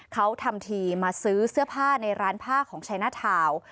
เขาทำทีมาซื้อเสื้อผ้าในร้านผ้าของชัยหน้าทาวน์